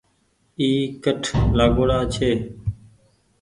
اي ڪٺ لآگآئو ڙآ ڇي ۔